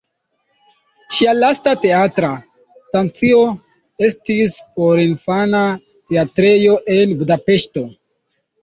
Ŝia lasta teatra stacio estis porinfana teatrejo en Budapeŝto.